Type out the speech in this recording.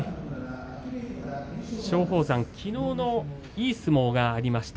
松鳳山きのうのいい相撲がありました。